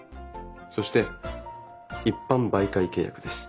そして「一般媒介契約」です。